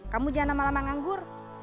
kamu jangan lama lama nganggur